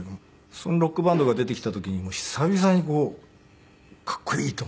そのロックバンドが出てきた時に久々にかっこいいと思って。